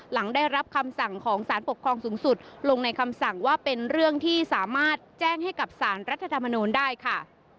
หลังได้รับคำสั่งของสารปกครองสูงสุดลงในคำสั่งว่าเป็นเรื่องที่สามารถแจ้งให้กับสารรัฐธรรมนูลได้ค่ะ